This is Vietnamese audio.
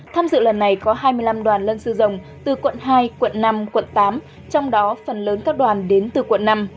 tham dự lần này có hai mươi năm đoàn lân sư dòng từ quận hai quận năm quận tám trong đó phần lớn các đoàn đến từ quận năm